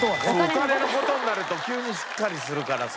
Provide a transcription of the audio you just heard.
お金の事になると急にしっかりするからさ。